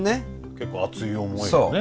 結構熱い思いをね。